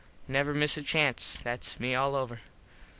Never miss a chance. Thats me all over.